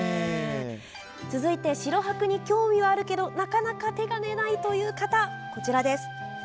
続いて城泊に興味はあるけどなかなか手が出ないという方こちらです。